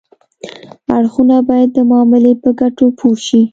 اړخونه باید د معاملې په ګټو پوه شي